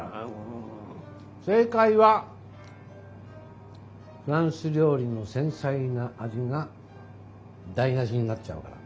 正解は「フランス料理の繊細な味が台なしになっちゃうから」。